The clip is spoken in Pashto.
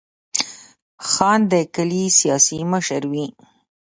خان د کلي سیاسي مشر وي.